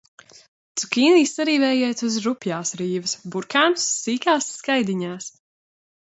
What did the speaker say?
Cukīni sarīvējiet uz rupjās rīves, burkānus – sīkās skaidiņās.